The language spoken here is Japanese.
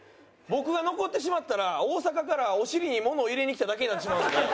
僕が残ってしまったら大阪からお尻にものを入れにきただけになってしまうので。